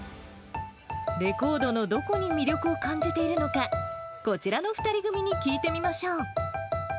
レコードのどこに魅力を感じているのか、こちらの２人組に聞いてみましょう。